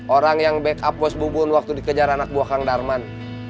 orang yang backup bos bubun waktu dikejar anak buah kang darman